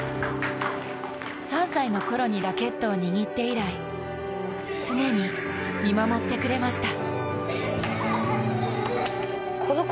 ３歳のころにラケットを握って以来常に見守ってくれました。